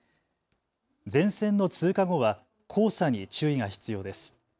前線の通過後は黄砂に注意が必要です。